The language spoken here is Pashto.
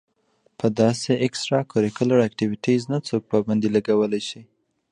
پۀ داسې اېکسټرا کريکولر ايکټويټيز نۀ څوک پابندي لګولے شي